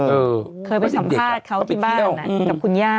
เคยไปสัมภาษณ์เขาที่บ้านกับคุณย่า